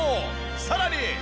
さらに。